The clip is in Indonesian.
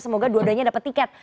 semoga dua duanya dapat tiket